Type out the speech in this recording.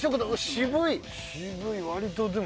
渋いわりとでも。